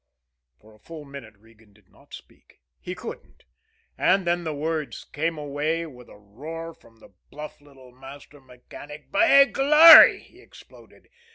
For a full minute Regan did not speak. He couldn't. And then the words came away with a roar from the bluff little master mechanic. "By glory!" he exploded.